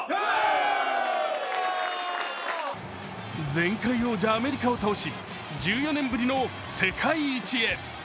前回王者・アメリカを倒し、１４年ぶりの世界一へ。